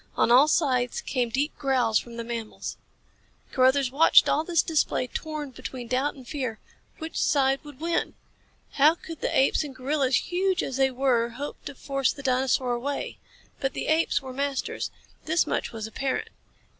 On all sides came deep growls from the mammals. Carruthers watched all this display torn between doubt and fear. Which side would win? How could the apes and gorillas, huge as they were, hope to force the dinosaur away? But the apes were masters. This much was apparent.